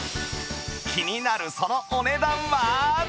気になるそのお値段は？